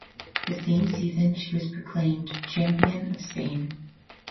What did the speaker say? The same season she was proclaimed Champion of Spain.